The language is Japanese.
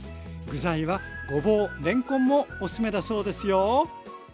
具材はごぼうれんこんもおすすめだそうですよ